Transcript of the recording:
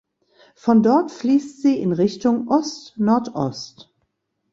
Von dort fließt sie in Richtung Ostnordost.